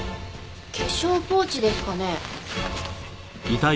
化粧ポーチですかね？